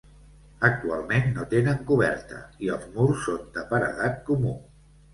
Actualment no tenen coberta i els murs són de paredat comú.